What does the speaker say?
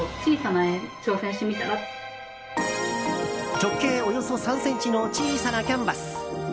直径およそ３ｃｍの小さなキャンバス。